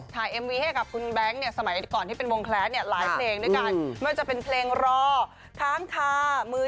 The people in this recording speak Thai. ใช่เป็นเพื่อนกันมาก่อน